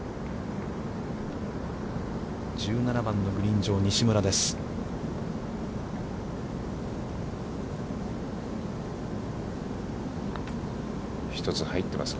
１７番のグリーン上、西村です。